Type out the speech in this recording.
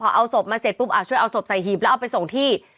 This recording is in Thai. พอเอาศพมาเสร็จปุ๊บช่วยเอาศพใส่หีบแล้วเอาไปส่งที่